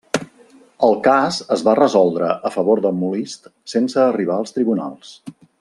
El cas es va resoldre a favor de Molist sense arribar als tribunals.